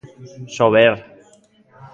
Sober.